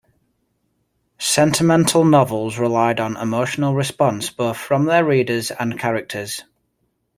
Sentimental novels relied on emotional response, both from their readers and characters.